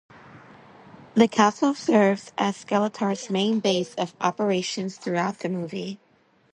The castle serves as Skeletor's main base of operations throughout the movie.